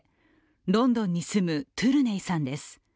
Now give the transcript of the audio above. ロンドンに住むトゥルネイさんです。